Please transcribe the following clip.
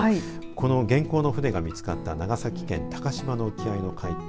この元寇の船が見つかった長崎県鷹島の沖合の海底